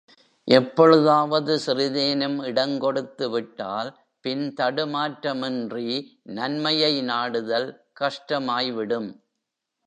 எப்பொழுதாவது சிறிதேனும் இடங்கொடுத்து விட்டால் பின் தடுமாற்றமின்றி நன்மையை நாடுதல் கஷ்டமாய்விடும்.